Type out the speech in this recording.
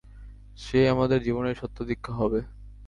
সেই আমাদের জীবনের সত্যদীক্ষা হবে।